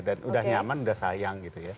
dan sudah nyaman sudah sayang gitu ya